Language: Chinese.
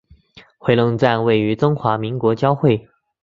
回龙站位于中华民国交会。